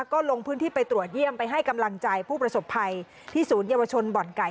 ก็ลงพื้นที่ไปตรวจเยี่ยมไปให้กำลังใจผู้ประสบภัยที่ศูนยวชนบ่อนไก่